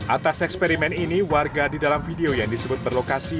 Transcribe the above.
atas eksperimen ini warga di dalam video yang disebut berlokasi